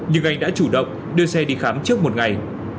nhưng anh đã chủ động đưa xe đi khám trước một ngày